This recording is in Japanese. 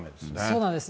そうなんです。